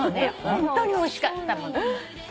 ホントにおいしかったもの。